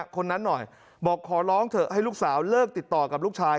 คนนั้นหน่อยบอกขอร้องเถอะให้ลูกสาวเลิกติดต่อกับลูกชาย